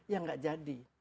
ya gak jadi